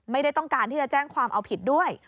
ไม่ได้ต้องการที่จะแจ้งความเอาผิดด้วย